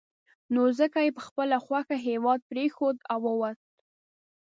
نو ځکه یې په خپله خوښه هېواد پرېښود او ووت.